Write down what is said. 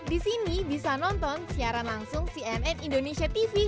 di sini bisa nonton siaran langsung cnn indonesia tv